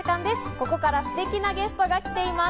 ここからステキなゲストが来ています。